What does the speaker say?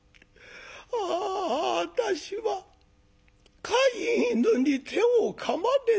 あ私は飼い犬に手をかまれた」。